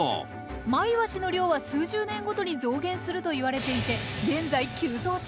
マイワシの量は数十年ごとに増減するといわれていて現在急増中。